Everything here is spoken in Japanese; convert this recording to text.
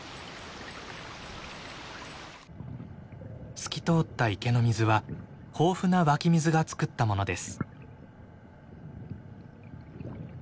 透き通った池の水は豊富な湧き水がつくったものです。